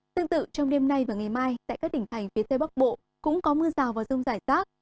tương tự trong đêm nay và ngày mai tại các đỉnh thành phía tây bắc bộ cũng có mưa rào và rông giải tác